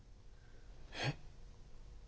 えっ？